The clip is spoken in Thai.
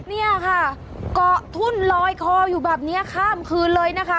เนี่ยค่ะเกาะทุ่นลอยคออยู่แบบนี้ข้ามคืนเลยนะคะ